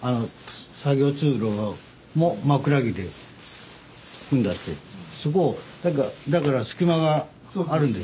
作業通路も枕木で組んであってそこをだから隙間があるんです。